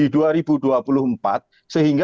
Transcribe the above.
di dua ribu dua puluh empat sehingga